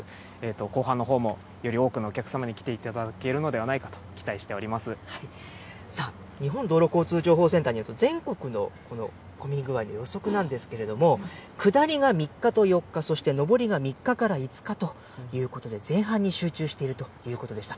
後半のほうもより多くのお客様に来ていただけるのではないかと期日本道路交通情報センターによると、全国のこの混み具合の予測なんですけれども、下りが３日と４日、そして上りが３日から５日ということで、前半に集中しているということでした。